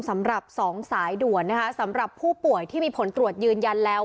สำหรับ๒สายด่วนนะคะสำหรับผู้ป่วยที่มีผลตรวจยืนยันแล้ว